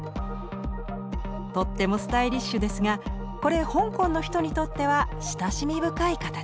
とってもスタイリッシュですがこれ香港の人にとっては親しみ深い形。